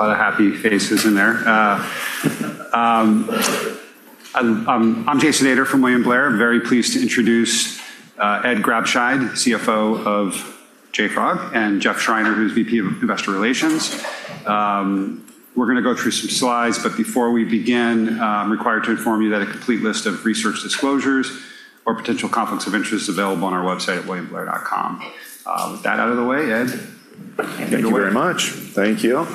A lot of happy faces in there. I'm Jason Ader from William Blair. I'm very pleased to introduce Ed Grabscheid, CFO of JFrog, and Jeff Schreiner, who's VP of Investor Relations. Before we begin, I'm required to inform you that a complete list of research disclosures or potential conflicts of interest is available on our website at williamblair.com. With that out of the way, Ed. Thank you very much. Thank you.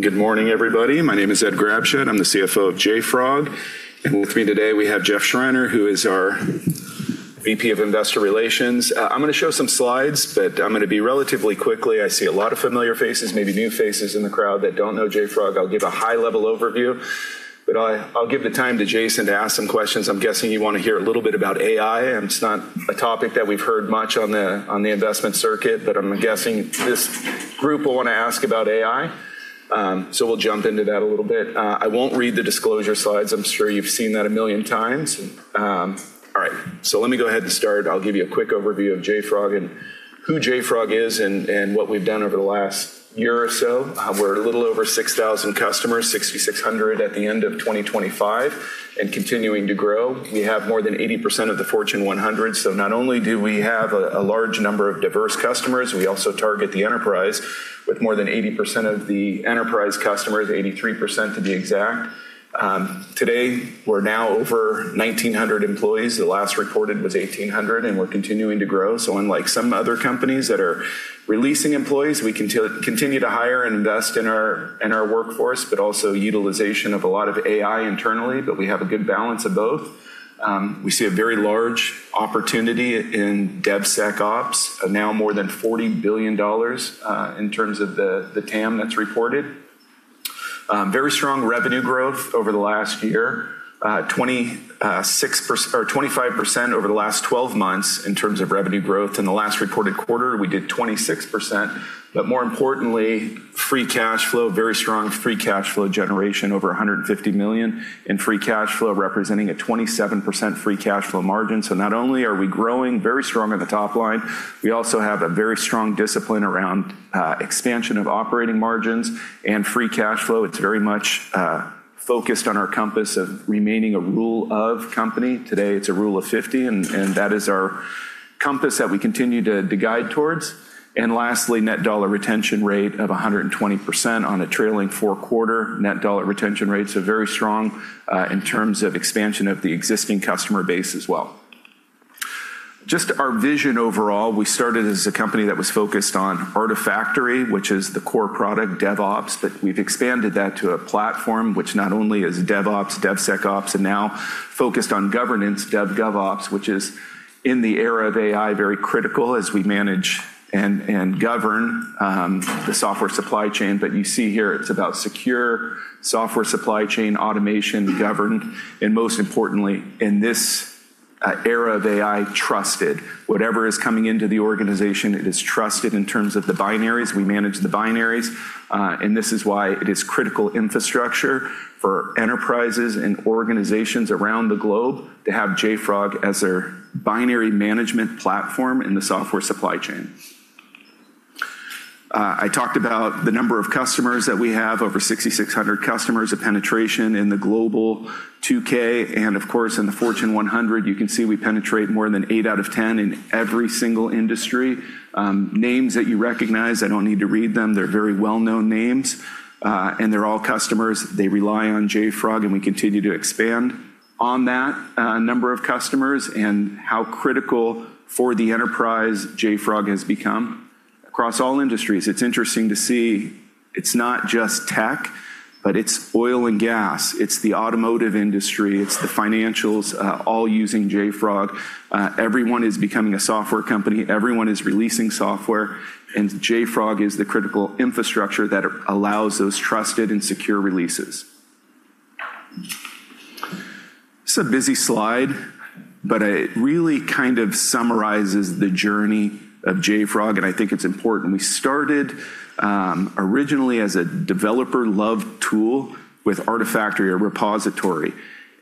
Good morning, everybody. My name is Ed Grabscheid. I'm the CFO of JFrog, and with me today, we have Jeff Schreiner, who is our VP of Investor Relations. I'm going to show some slides. I'm going to be relatively quick. I see a lot of familiar faces, maybe new faces in the crowd that don't know JFrog. I'll give a high-level overview. I'll give the time to Jason to ask some questions. I'm guessing you want to hear a little bit about AI. It's not a topic that we've heard much on the investment circuit, but I'm guessing this group will want to ask about AI. We'll jump into that a little bit. I won't read the disclosure slides. I'm sure you've seen that a million times. All right. Let me go ahead and start. I'll give you a quick overview of JFrog and who JFrog is and what we've done over the last year or so. We're a little over 6,000 customers, 6,600 at the end of 2025 and continuing to grow. We have more than 80% of the Fortune 100. Not only do we have a large number of diverse customers, we also target the enterprise with more than 80% of the enterprise customers, 83% to be exact. Today, we're now over 1,900 employees. The last reported was 1,800, and we're continuing to grow. Unlike some other companies that are releasing employees, we continue to hire and invest in our workforce, but also utilization of a lot of AI internally, but we have a good balance of both. We see a very large opportunity in DevSecOps, now more than $40 billion in terms of the TAM that's reported. Very strong revenue growth over the last year, 25% over the last 12 months in terms of revenue growth. In the last reported quarter, we did 26%, more importantly, free cash flow, very strong free cash flow generation, over $150 million in free cash flow, representing a 27% free cash flow margin. Not only are we growing very strong in the top line, we also have a very strong discipline around expansion of operating margins and free cash flow. It's very much focused on our compass of remaining a rule of company. Today, it's a Rule of 50, that is our compass that we continue to guide towards. Lastly, net dollar retention rate of 120% on a trailing four quarter net dollar retention rates are very strong in terms of expansion of the existing customer base as well. Our vision overall, we started as a company that was focused on Artifactory, which is the core product, DevOps, we've expanded that to a platform which not only is DevOps, DevSecOps, and now focused on governance, DevGovOps, which is in the era of AI, very critical as we manage and govern the software supply chain. You see here it's about secure software supply chain automation governed, and most importantly, in this era of AI, trusted. Whatever is coming into the organization, it is trusted in terms of the binaries. We manage the binaries. This is why it is critical infrastructure for enterprises and organizations around the globe to have JFrog as their binary management platform in the software supply chain. I talked about the number of customers that we have, over 6,600 customers, a penetration in the Global 2000, and of course, in the Fortune 100. You can see we penetrate more than eight out of 10 in every single industry. Names that you recognize, I don't need to read them. They're very well-known names, and they're all customers. They rely on JFrog, and we continue to expand on that number of customers and how critical for the enterprise JFrog has become across all industries. It's interesting to see it's not just tech, but it's oil and gas. It's the automotive industry. It's the financials all using JFrog. Everyone is becoming a software company. Everyone is releasing software, and JFrog is the critical infrastructure that allows those trusted and secure releases. This is a busy slide, but it really kind of summarizes the journey of JFrog, and I think it's important. We started originally as a developer-loved tool with Artifactory, a repository,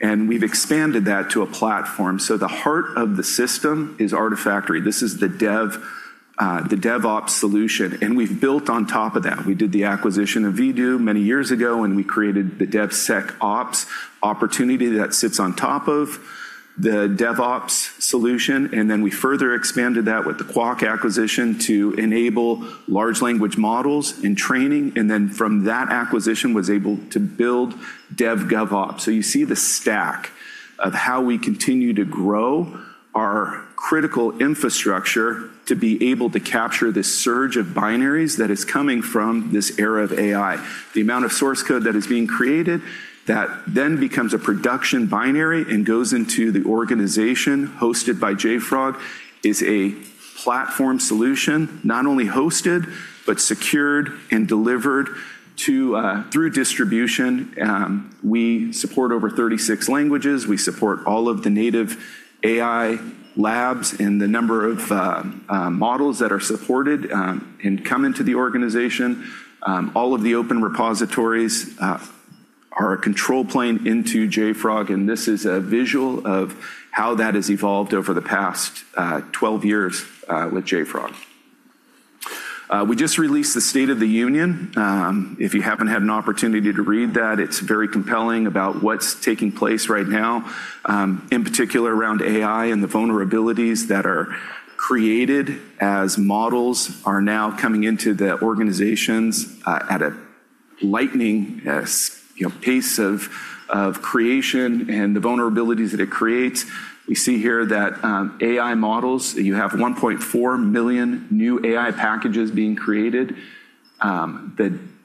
and we've expanded that to a platform. The heart of the system is Artifactory. This is the DevOps solution, and we've built on top of that. We did the acquisition of Vdoo many years ago, and we created the DevSecOps opportunity that sits on top of the DevOps solution, and then we further expanded that with the Qwak acquisition to enable large language models in training, and then from that acquisition, was able to build DevGovOps. You see the stack of how we continue to grow our critical infrastructure to be able to capture this surge of binaries that is coming from this era of AI. The amount of source code that is being created that then becomes a production binary and goes into the organization hosted by JFrog is a platform solution, not only hosted but secured and delivered through distribution. We support over 36 languages. We support all of the native AI labs and the number of models that are supported and come into the organization, all of the open repositories. Our control plane into JFrog, this is a visual of how that has evolved over the past 12 years with JFrog. We just released the State of the Union. If you haven't had an opportunity to read that, it's very compelling about what's taking place right now, in particular around AI and the vulnerabilities that are created as models are now coming into the organizations at a lightning pace of creation and the vulnerabilities that it creates. We see here that AI models, you have 1.4 million new AI packages being created.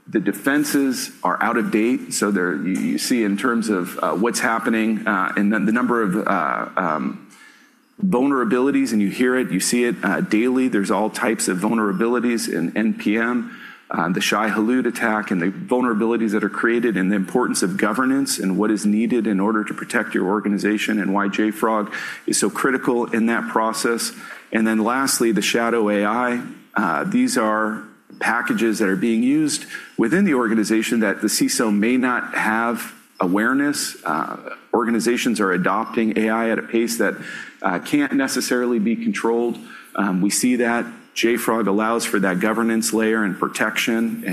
The defenses are out of date. You see in terms of what's happening, and the number of vulnerabilities, and you hear it, you see it daily. There's all types of vulnerabilities in npm, the Shai-Hulud attack, and the vulnerabilities that are created and the importance of governance and what is needed in order to protect your organization and why JFrog is so critical in that process. Then lastly, the shadow AI. These are packages that are being used within the organization that the CISO may not have awareness. Organizations are adopting AI at a pace that can't necessarily be controlled. We see that JFrog allows for that governance layer and protection.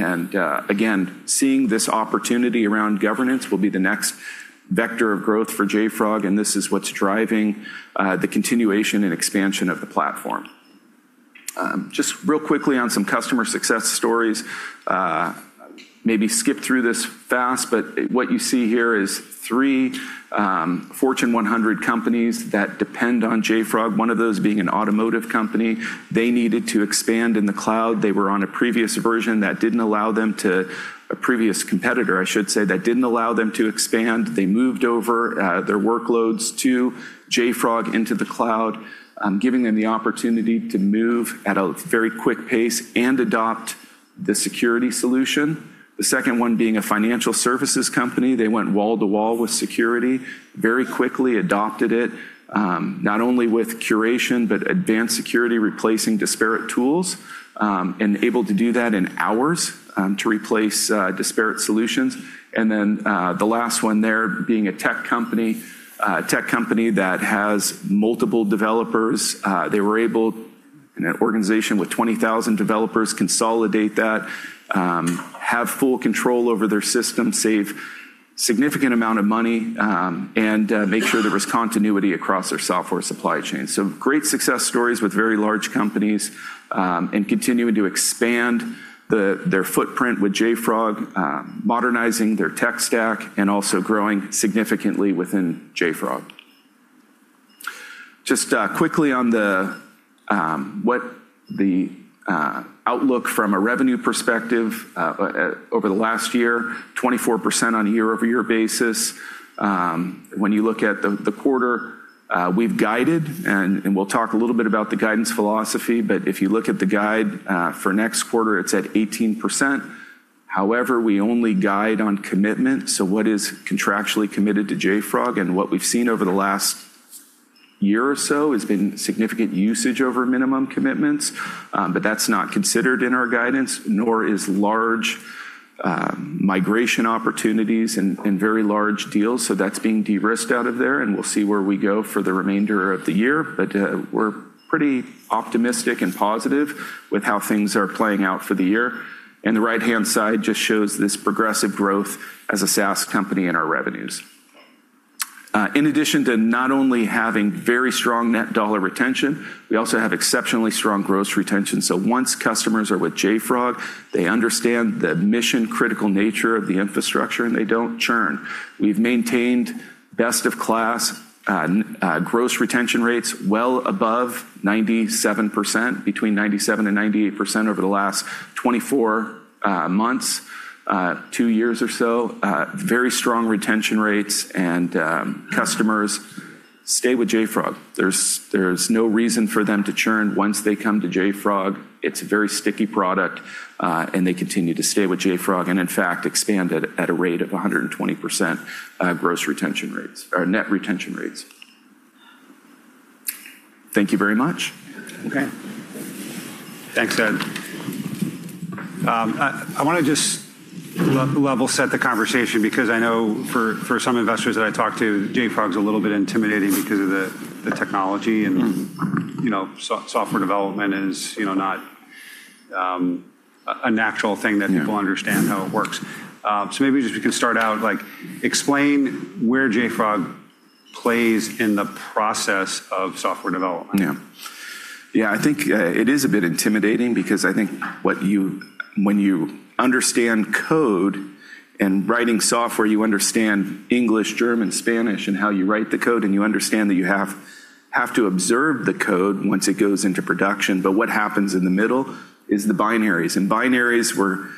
Again, seeing this opportunity around governance will be the next vector of growth for JFrog, and this is what's driving the continuation and expansion of the platform. Real quickly on some customer success stories. Maybe skip through this fast, but what you see here is three Fortune 100 companies that depend on JFrog, one of those being an automotive company. They needed to expand in the cloud. A previous competitor, I should say, that didn't allow them to expand. They moved over their workloads to JFrog into the cloud, giving them the opportunity to move at a very quick pace and adopt the security solution. The second one being a financial services company. They went wall to wall with security, very quickly adopted it, not only with Curation, but Advanced Security, replacing disparate tools, and able to do that in hours to replace disparate solutions. The last one there being a tech company that has multiple developers. They were able, an organization with 20,000 developers, consolidate that, have full control over their system, save significant amount of money, and make sure there was continuity across their software supply chain. Great success stories with very large companies, and continuing to expand their footprint with JFrog, modernizing their tech stack, and also growing significantly within JFrog. Just quickly on what the outlook from a revenue perspective over the last year, 24% on a year-over-year basis. When you look at the quarter, we've guided, and we'll talk a little bit about the guidance philosophy, but if you look at the guide for next quarter, it's at 18%. However, we only guide on commitment, so what is contractually committed to JFrog, and what we've seen over the last year or so has been significant usage over minimum commitments. That's not considered in our guidance, nor is large migration opportunities and very large deals. That's being de-risked out of there, and we'll see where we go for the remainder of the year. We're pretty optimistic and positive with how things are playing out for the year. The right-hand side just shows this progressive growth as a SaaS company in our revenues. In addition to not only having very strong net dollar retention, we also have exceptionally strong gross retention. Once customers are with JFrog, they understand the mission-critical nature of the infrastructure, and they don't churn. We've maintained best-of-class gross retention rates well above 97%, between 97% and 98% over the last 24 months, two years or so. Very strong retention rates and customers stay with JFrog. There's no reason for them to churn once they come to JFrog. It's a very sticky product, and they continue to stay with JFrog and in fact expand it at a rate of 120% gross retention rates or net retention rates. Thank you very much. Okay. Thanks, Ed. I want to just level set the conversation because I know for some investors that I talk to, JFrog's a little bit intimidating because of the technology and software development is not a natural thing that people understand how it works. Maybe if you can start out, explain where JFrog plays in the process of software development. Yeah. I think it is a bit intimidating because I think when you understand code and writing software, you understand English, German, Spanish, and how you write the code, and you understand that you have to observe the code once it goes into production. What happens in the middle is the binaries. Binaries were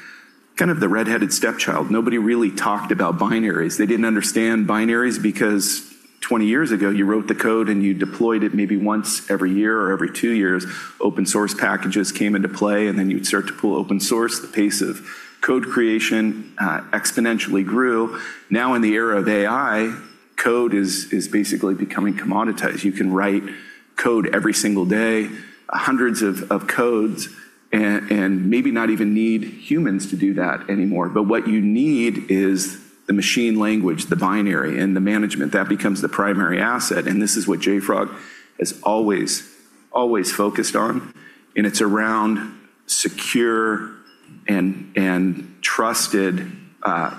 the red-headed stepchild. Nobody really talked about binaries. They didn't understand binaries because 20 years ago, you wrote the code and you deployed it maybe once every year or every two years. Open source packages came into play, and then you'd start to pull open source. The pace of code creation exponentially grew. Now in the era of AI. Code is basically becoming commoditized. You can write code every single day, hundreds of codes, and maybe not even need humans to do that anymore. What you need is the machine language, the binary, and the management. That becomes the primary asset, and this is what JFrog has always focused on, and it's around secure and trusted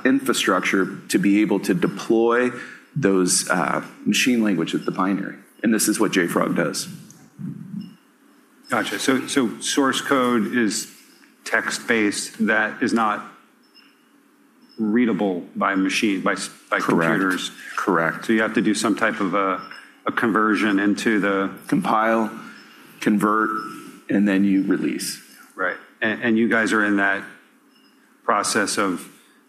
infrastructure to be able to deploy those machine languages, the binary, and this is what JFrog does. Got you. Source code is text-based that is not readable by machine. Correct By computers. Correct. You have to do some type of a conversion into the. Compile, convert, and then you release. Right. You guys are in that process of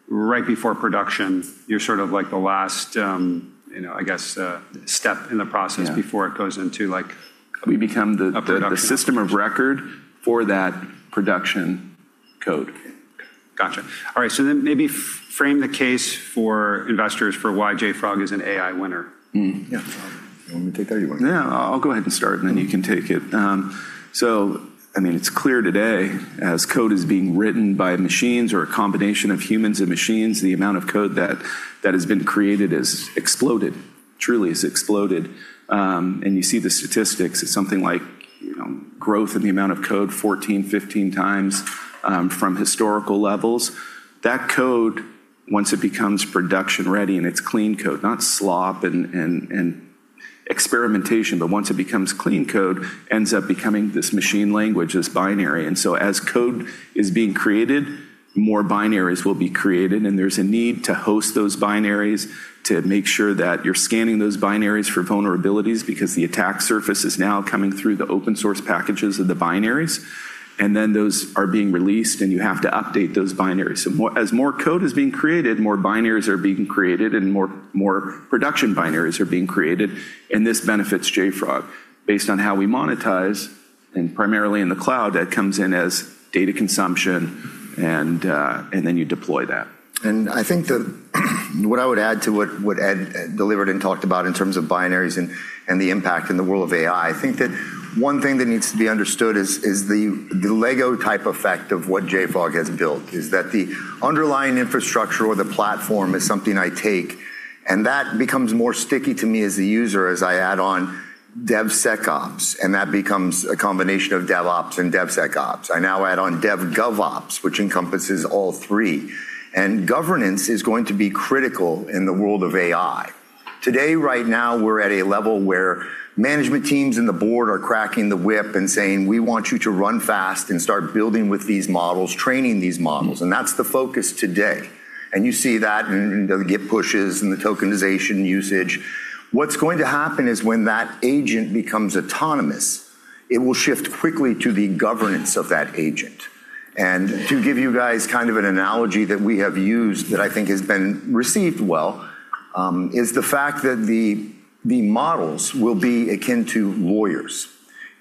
right before production, you're sort of the last step in the process. Yeah before it goes into a production-. We become the system of record for that production code. Got you. All right. Maybe frame the case for investors for why JFrog is an AI winner? Mm-hmm. Yeah. You want me to take that or you want to? No, I'll go ahead and start, and then you can take it. It's clear today, as code is being written by machines or a combination of humans and machines, the amount of code that has been created has exploded. Truly has exploded. You see the statistics. It's something like growth in the amount of code 14 times, 15 times from historical levels. That code, once it becomes production-ready and it's clean code, not slop and experimentation, but once it becomes clean code, ends up becoming this machine language. It's binary. As code is being created, more binaries will be created, and there's a need to host those binaries to make sure that you're scanning those binaries for vulnerabilities because the attack surface is now coming through the open source packages of the binaries. Then those are being released, and you have to update those binaries. As more code is being created, more binaries are being created, and more production binaries are being created, and this benefits JFrog based on how we monetize, and primarily in the cloud, that comes in as data consumption, and then you deploy that. I think that what I would add to what Ed delivered and talked about in terms of binaries and the impact in the world of AI, I think that one thing that needs to be understood is the Lego-type effect of what JFrog has built, is that the underlying infrastructure or the platform is something I take, and that becomes more sticky to me as a user, as I add on DevSecOps, and that becomes a combination of DevOps and DevSecOps. I now add on DevGovOps, which encompasses all three, and governance is going to be critical in the world of AI. Today, right now, we're at a level where management teams and the Board are cracking the whip and saying, "We want you to run fast and start building with these models, training these models." That's the focus today. You see that in the Git pushes and the tokenization usage. What's going to happen is when that agent becomes autonomous, it will shift quickly to the governance of that agent. To give you guys an analogy that we have used that I think has been received well, is the fact that the models will be akin to lawyers.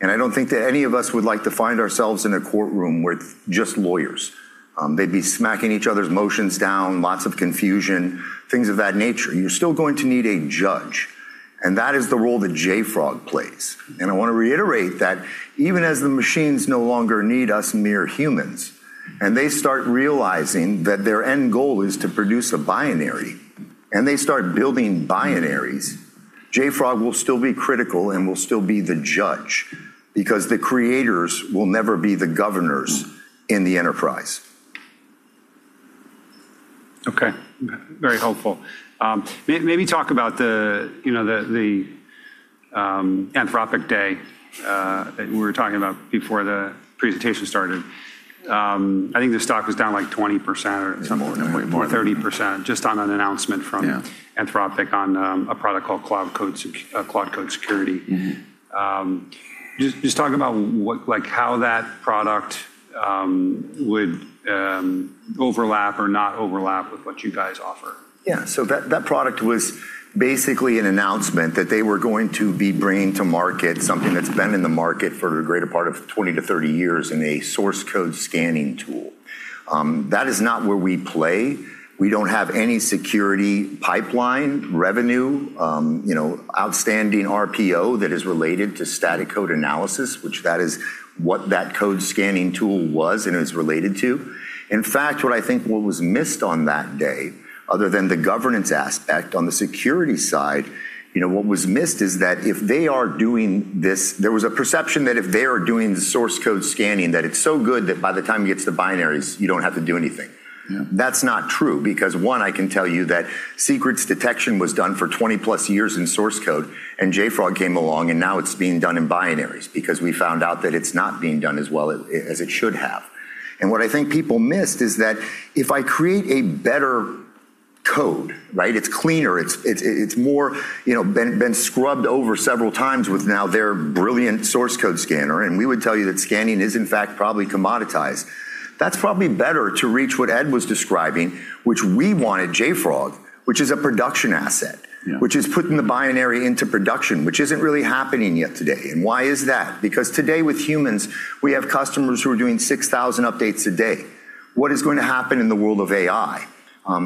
I don't think that any of us would like to find ourselves in a courtroom with just lawyers. They'd be smacking each other's motions down, lots of confusion, things of that nature. You're still going to need a judge, and that is the role that JFrog plays. I want to reiterate that even as the machines no longer need us mere humans, and they start realizing that their end goal is to produce a binary, and they start building binaries, JFrog will still be critical and will still be the judge because the creators will never be the governors in the enterprise. Okay. Very helpful. Maybe talk about the Anthropic day that we were talking about before the presentation started. I think the stock was down 20% or something. More than that. 30%, just on an announcement from- Yeah Anthropic on a product called Claude Code Security. Just talk about how that product would overlap or not overlap with what you guys offer. That product was basically an announcement that they were going to be bringing to market something that's been in the market for the greater part of 20-30 years in a source code scanning tool. That is not where we play. We don't have any security pipeline revenue, outstanding RPO that is related to static code analysis, which that is what that code scanning tool was and is related to. What I think was missed on that day, other than the governance aspect on the security side, what was missed is that if they are doing this, there was a perception that if they are doing the source code scanning, that it's so good that by the time it gets to binaries, you don't have to do anything. Yeah. That's not true because, one, I can tell you that secrets detection was done for 20+ years in source code, and JFrog came along, and now it's being done in binaries because we found out that it's not being done as well as it should have. What I think people missed is that if I create a better code, it's cleaner, it's been scrubbed over several times with now their brilliant source code scanner, and we would tell you that scanning is in fact probably commoditized. That's probably better to reach what Ed was describing, which we want at JFrog, which is a production asset. Yeah. Putting the binary into production, which isn't really happening yet today. Why is that? Today with humans, we have customers who are doing 6,000 updates a day. What is going to happen in the world of AI?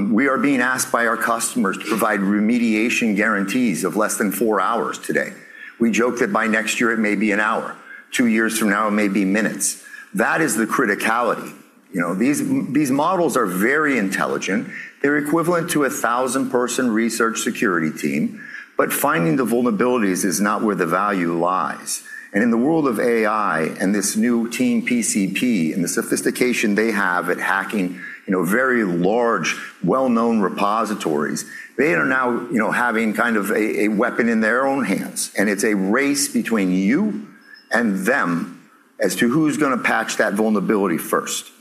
We are being asked by our customers to provide remediation guarantees of less than four hours today. We joke that by next year, it may be an hour. Two years from now, it may be minutes. That is the criticality. These models are very intelligent. They're equivalent to 1000 person research security team, but finding the vulnerabilities is not where the value lies. In the world of AI and this new team, TeamPCP, and the sophistication they have at hacking very large, well-known repositories, they are now having kind of a weapon in their own hands, and it's a race between you and them as to who's going to patch that vulnerability first.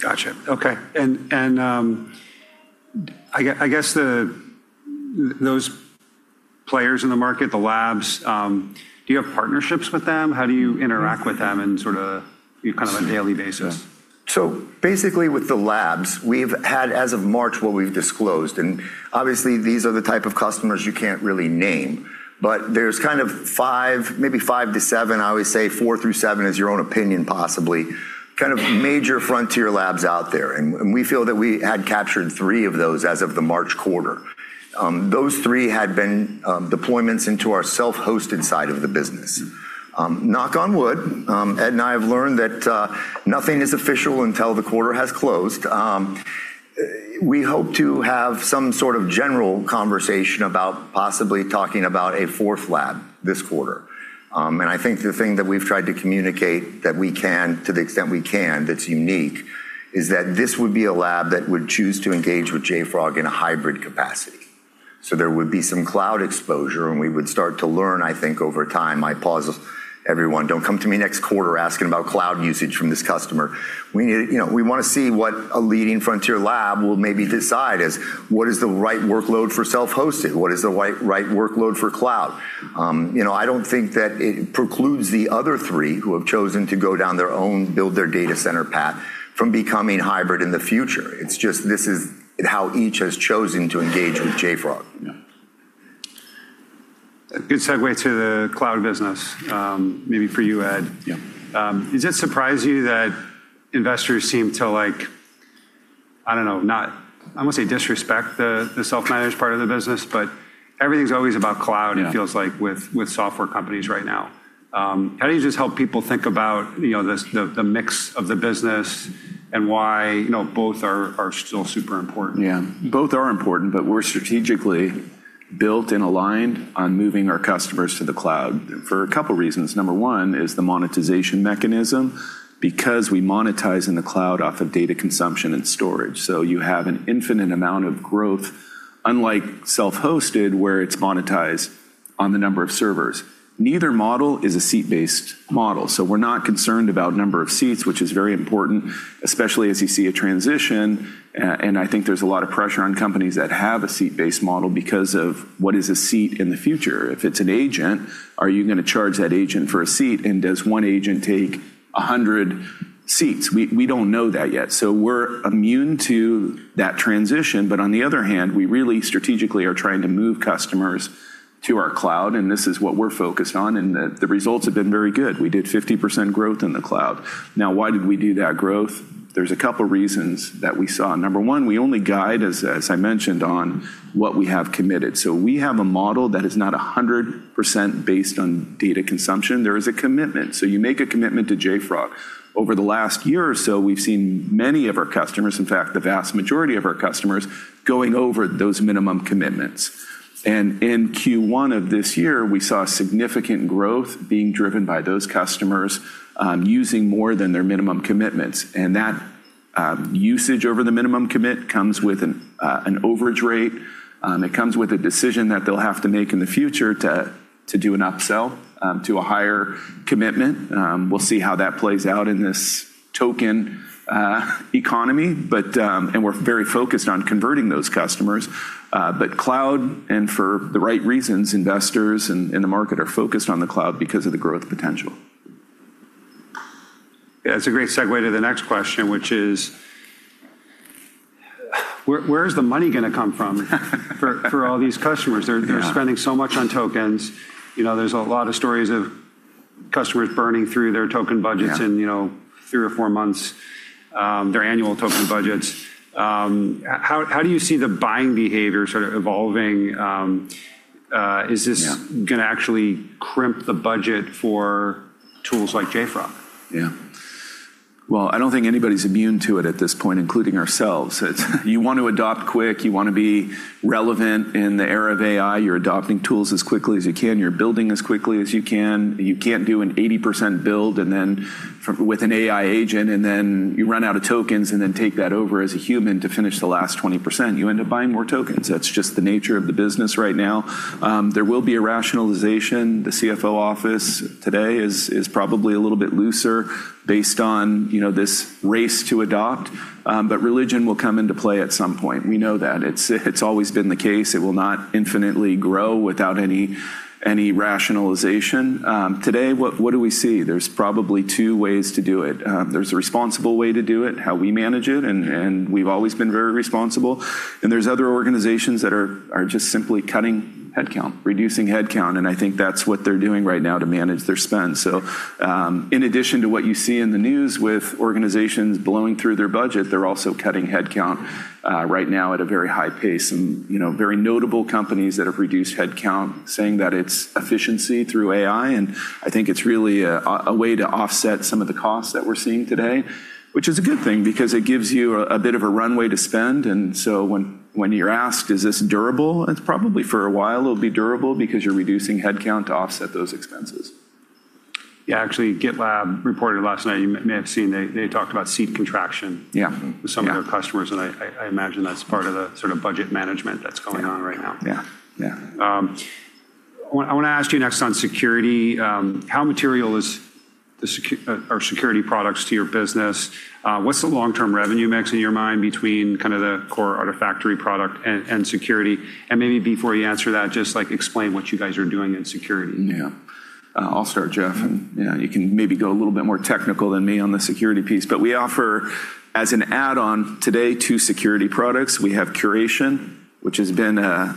Got you. Okay. I guess those players in the market, the labs, do you have partnerships with them? How do you interact with them in sort of a daily basis? With the labs, we've had, as of March, what we've disclosed, and obviously, these are the type of customers you can't really name, but there's kind of five, maybe five to seven, I always say four through seven is your own opinion possibly, kind of major frontier labs out there. We feel that we had captured three of those as of the March quarter. Those three had been deployments into our self-hosted side of the business. Knock on wood, Ed and I have learned that nothing is official until the quarter has closed. We hope to have some sort of general conversation about possibly talking about a fourth lab this quarter. I think the thing that we've tried to communicate that we can, to the extent we can, that's unique, is that this would be a lab that would choose to engage with JFrog in a hybrid capacity. There would be some cloud exposure, and we would start to learn, I think, over time. I pause everyone. Don't come to me next quarter asking about cloud usage from this customer. We want to see what a leading frontier lab will maybe decide as what is the right workload for self-hosted, what is the right workload for cloud. I don't think that it precludes the other three who have chosen to go down their own build their data center path from becoming hybrid in the future. It's just this is how each has chosen to engage with JFrog. Yeah. A good segue to the cloud business, maybe for you, Ed. Yeah. Does it surprise you that investors seem to, I don't know, not, I won't say disrespect the self-managed part of the business, but everything's always about cloud-? Yeah it feels like with software companies right now. How do you just help people think about the mix of the business and why both are still super important? Yeah. Both are important, but we're strategically built and aligned on moving our customers to the cloud for a couple of reasons. Number one is the monetization mechanism, because we monetize in the cloud off of data consumption and storage. You have an infinite amount of growth, unlike self-hosted, where it's monetized on the number of servers. Neither model is a seat-based model. We're not concerned about number of seats, which is very important, especially as you see a transition, and I think there's a lot of pressure on companies that have a seat-based model because of what is a seat in the future. If it's an agent, are you going to charge that agent for a seat, and does one agent take 100 seats? We don't know that yet. We're immune to that transition. On the other hand, we really strategically are trying to move customers to our cloud, and this is what we're focused on, and the results have been very good. We did 50% growth in the cloud. Why did we do that growth? There's a couple of reasons that we saw. Number one, we only guide, as I mentioned, on what we have committed. We have a model that is not 100% based on data consumption. There is a commitment. You make a commitment to JFrog. Over the last year or so, we've seen many of our customers, in fact, the vast majority of our customers, going over those minimum commitments. In Q1 of this year, we saw significant growth being driven by those customers using more than their minimum commitments. That usage over the minimum commit comes with an overage rate. It comes with a decision that they'll have to make in the future to do an upsell to a higher commitment. We'll see how that plays out in this token economy. We're very focused on converting those customers. Cloud, and for the right reasons, investors and the market are focused on the cloud because of the growth potential. That's a great segue to the next question, which is, where is the money going to come from for all these customers? Yeah. They're spending so much on tokens. There's a lot of stories of customers burning through their token budgets. Yeah In three or four months, their annual token budgets. How do you see the buying behavior sort of evolving? Yeah. Is this going to actually crimp the budget for tools like JFrog? Yeah. Well, I don't think anybody's immune to it at this point, including ourselves. You want to adopt quick, you want to be relevant in the era of AI. You're adopting tools as quickly as you can. You're building as quickly as you can. You can't do an 80% build with an AI agent, and then you run out of tokens and then take that over as a human to finish the last 20%. You end up buying more tokens. That's just the nature of the business right now. There will be a rationalization. The CFO office today is probably a little bit looser based on this race to adopt. Religion will come into play at some point. We know that. It's always been the case. It will not infinitely grow without any rationalization. Today, what do we see? There's probably two ways to do it. There's a responsible way to do it, how we manage it, and we've always been very responsible. There's other organizations that are just simply cutting headcount, reducing headcount, and I think that's what they're doing right now to manage their spend. In addition to what you see in the news with organizations blowing through their budget, they're also cutting headcount right now at a very high pace. Some very notable companies that have reduced headcount, saying that it's efficiency through AI, and I think it's really a way to offset some of the costs that we're seeing today, which is a good thing because it gives you a bit of a runway to spend. When you're asked, is this durable? It's probably for a while it'll be durable because you're reducing headcount to offset those expenses. Yeah, actually, GitLab reported last night, you may have seen, they talked about seat contraction with some of their customers, and I imagine that's part of the budget management that's going on right now. Yeah. I want to ask you next on security, how material are security products to your business? What's the long-term revenue mix in your mind between the core Artifactory product and security? Maybe before you answer that, just explain what you guys are doing in security. I'll start, Jeff. You can maybe go a little bit more technical than me on the security piece. We offer as an add-on today two security products. We have Curation, which has been a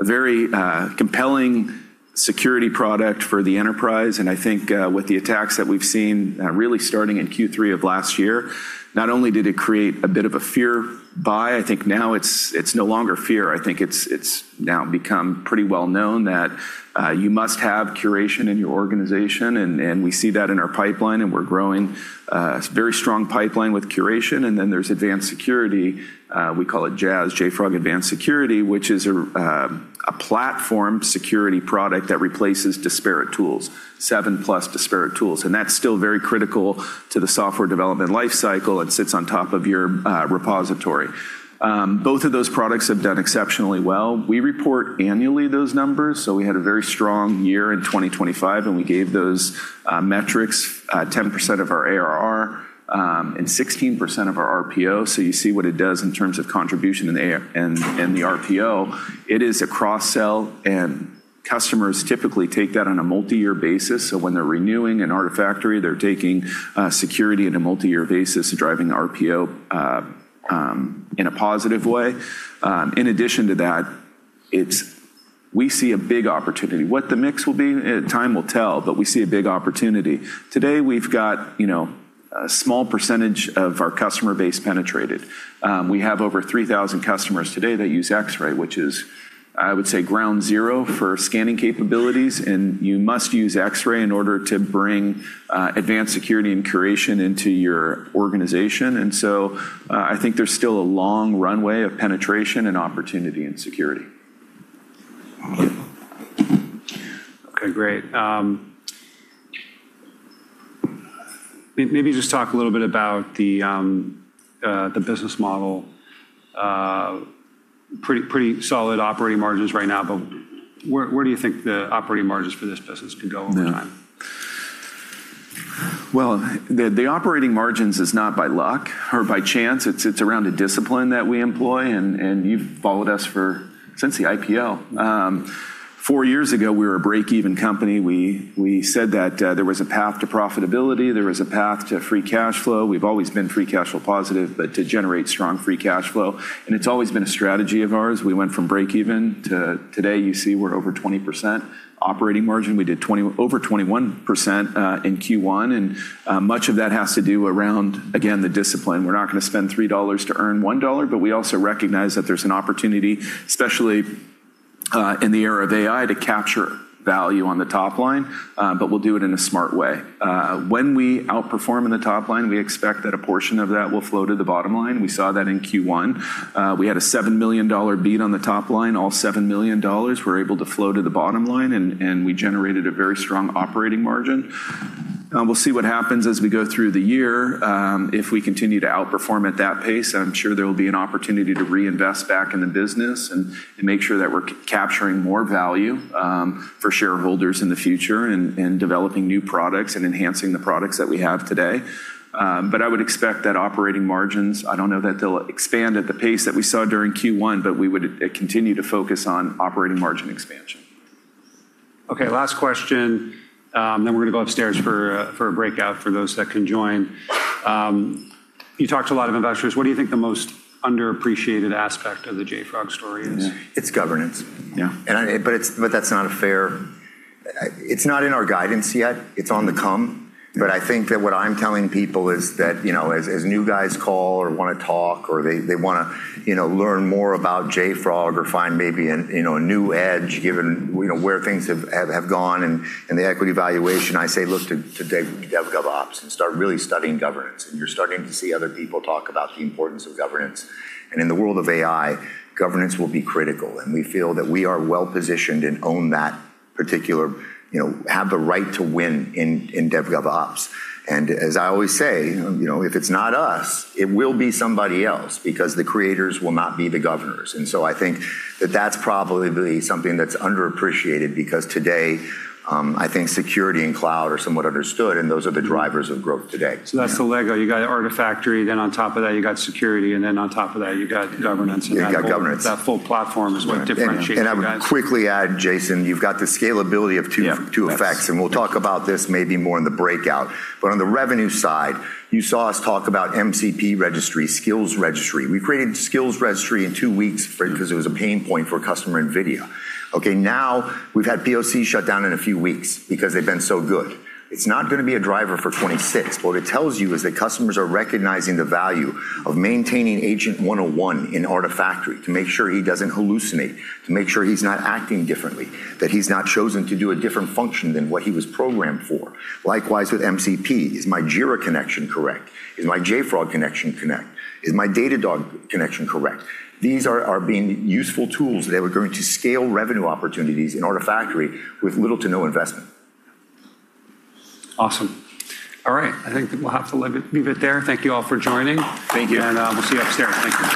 very compelling security product for the enterprise, and I think with the attacks that we've seen really starting in Q3 of last year, not only did it create a bit of a fear buy, I think now it's no longer fear. I think it's now become pretty well known that you must have Curation in your organization, and we see that in our pipeline and we're growing a very strong pipeline with Curation. There's Advanced Security. We call it JAS, JFrog Advanced Security, which is a platform security product that replaces disparate tools, seven-plus disparate tools. That's still very critical to the software development life cycle and sits on top of your repository. Both of those products have done exceptionally well. We report annually those numbers, so we had a very strong year in 2025, and we gave those metrics, 10% of our ARR and 16% of our RPO. You see what it does in terms of contribution in the ARR and the RPO. It is a cross-sell, and customers typically take that on a multi-year basis. When they're renewing an Artifactory, they're taking security on a multi-year basis and driving RPO in a positive way. In addition to that, we see a big opportunity. What the mix will be, time will tell, but we see a big opportunity. Today, we've got a small percentage of our customer base penetrated. We have over 3,000 customers today that use Xray, which is, I would say, ground zero for scanning capabilities, and you must use Xray in order to bring Advanced Security and Curation into your organization. I think there's still a long runway of penetration and opportunity in security. Okay, great. Maybe just talk a little bit about the business model. Pretty solid operating margins right now, but where do you think the operating margins for this business can go over time? Well, the operating margins is not by luck or by chance. It's around a discipline that we employ, and you've followed us since the IPO. Four years ago, we were a break-even company. We said that there was a path to profitability, there was a path to free cash flow. We've always been free cash flow positive, but to generate strong free cash flow, and it's always been a strategy of ours. We went from break-even to today, you see we're over 20% operating margin. We did over 21% in Q1, and much of that has to do around, again, the discipline. We're not going to spend $3 to earn $1, but we also recognize that there's an opportunity, especially in the era of AI, to capture value on the top line, but we'll do it in a smart way. When we outperform in the top line, we expect that a portion of that will flow to the bottom line. We saw that in Q1. We had a $7 million beat on the top line. All $7 million were able to flow to the bottom line, and we generated a very strong operating margin. We'll see what happens as we go through the year. If we continue to outperform at that pace, I'm sure there will be an opportunity to reinvest back in the business and make sure that we're capturing more value for shareholders in the future and developing new products and enhancing the products that we have today. I would expect that operating margins, I don't know that they'll expand at the pace that we saw during Q1, but we would continue to focus on operating margin expansion. Okay, last question, then we're going to go upstairs for a breakout for those that can join. You talked to a lot of investors. What do you think the most underappreciated aspect of the JFrog story is? It's governance. Yeah. It's not in our guidance yet. It's on the come. I think that what I'm telling people is that, as new guys call or want to talk or they want to learn more about JFrog or find maybe a new edge given where things have gone and the equity valuation, I say, "Look to DevGovOps and start really studying governance." You're starting to see other people talk about the importance of governance. In the world of AI, governance will be critical, and we feel that we are well-positioned and have the right to win in DevGovOps. As I always say, if it's not us, it will be somebody else because the creators will not be the governors. I think that that's probably something that's underappreciated because today, I think security and cloud are somewhat understood, and those are the drivers of growth today. That's the Lego. You got Artifactory, then on top of that, you got security, and then on top of that, you got governance. You got governance. That full platform is what differentiates you guys. I would quickly add, Jason, you've got the scalability of two effects. Yeah. We'll talk about this maybe more in the breakout. On the revenue side, you saw us talk about MCP registry, Skills Registry. We created Skills Registry in two weeks because it was a pain point for a customer in Vdoo. Now we've had POC shut down in a few weeks because they've been so good. It's not going to be a driver for 2026. What it tells you is that customers are recognizing the value of maintaining Agent 101 in Artifactory to make sure he doesn't hallucinate, to make sure he's not acting differently, that he's not chosen to do a different function than what he was programmed for. Likewise, with MCP, is my Jira connection correct? Is my JFrog connection correct? Is my Datadog connection correct? These are being useful tools that are going to scale revenue opportunities in Artifactory with little to no investment. Awesome. All right. I think that we'll have to leave it there. Thank you all for joining. Thank you. We'll see you upstairs. Thank you.